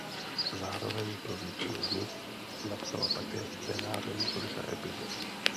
Zároveň pro většinu z nich napsala také scénáře několika epizod.